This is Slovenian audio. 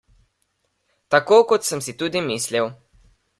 Tako kot sem si tudi mislil!